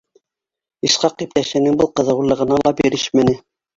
Исхаҡ иптәшенең был ҡыҙыулығына ла бирешмәне: